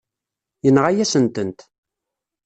Yenɣa-yasen-tent.